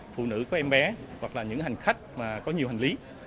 phụ nữ có em bé hoặc là những hành khách mà có nhiều hành lý